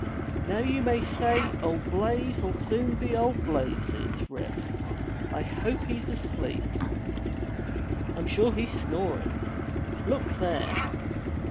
"Now you may say old Blaize'll soon be old Blazes, Rip. I hope he's asleep.*' "Fm sure he's snoring! Look there!